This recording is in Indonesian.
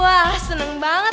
wah seneng banget